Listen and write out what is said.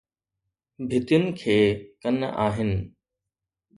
ڀتين کي ڪن آهن